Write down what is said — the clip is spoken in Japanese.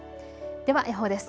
では予報です。